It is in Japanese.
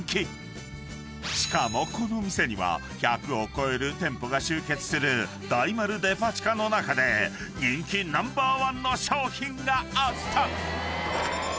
［しかもこの店には１００を超える店舗が集結する大丸デパ地下の中で人気ナンバーワンの商品があった！］